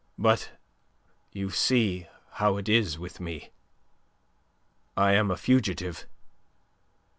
But... you see how it is with me. I am a fugitive.